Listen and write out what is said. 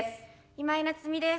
今井菜津美です。